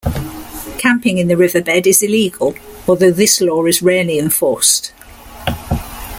Camping in the riverbed is illegal, although this law is rarely enforced.